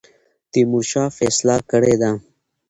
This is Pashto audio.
تیمورشاه فیصله کړې ده.